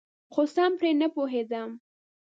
خو سم پرې نپوهیدم.